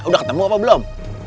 udah ketemu apa belum